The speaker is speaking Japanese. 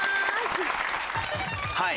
はい。